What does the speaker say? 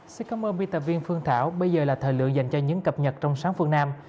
xin cảm ơn biên tập viên phương thảo bây giờ là thời lượng dành cho những cập nhật trong sáng phương nam